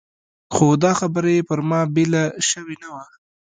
خو دا خبره یې پر ما بېله شوې نه وه.